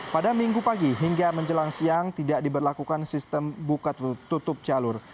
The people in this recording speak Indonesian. pada minggu pagi hingga menjelang siang tidak diberlakukan sistem buka tutup jalur